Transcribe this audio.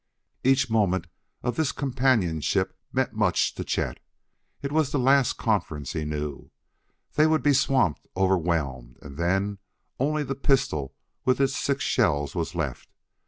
Each moment of this companionship meant much to Chet. It was the last conference, he knew. They would be swamped, overwhelmed, and then only the pistol with its six shells was left.